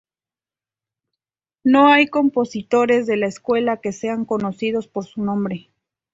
No hay compositores de la escuela que sean conocidos por su nombre.